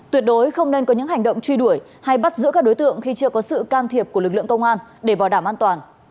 tuyệt đối không nên có những hành động truy đuổi hay bắt giữ các đối tượng khi chưa có sự can thiệp của lực lượng công an để bảo đảm an toàn